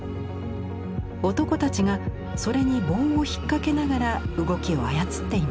男たちがそれに棒を引っ掛けながら動きを操っています。